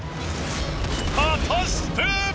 果たして。